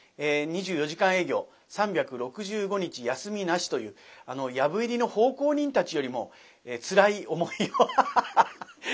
２４時間営業３６５日休みなしという「藪入り」の奉公人たちよりもつらい思いをハハハハッ！